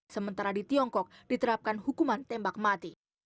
sementara di tiongkok diterapkan hukuman tembak mati